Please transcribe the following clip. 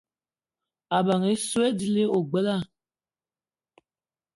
Ebeng essoe dila ogbela